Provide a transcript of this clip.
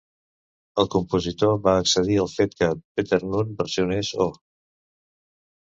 El compositor va accedir al fet que Peter Noone versionés Oh!